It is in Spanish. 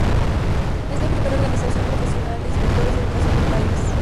Es la primera organización profesional de inspectores de educación del país.